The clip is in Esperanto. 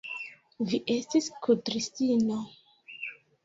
Vi estis kudristino!